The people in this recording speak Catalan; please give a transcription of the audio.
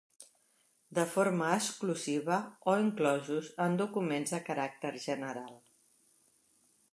De forma exclusiva o inclosos en documents de caràcter general.